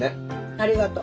ありがと。